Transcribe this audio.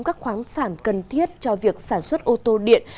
các khoáng sản cần thiết cho việc sản xuất ô tô điện